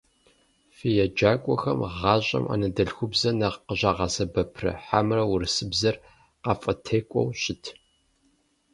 Фи еджакӀуэхэм гъащӀэм анэдэлъхубзэр нэхъ къыщагъэсэбэпрэ хьэмэрэ урысыбзэр къафӏытекӀуэу щыт?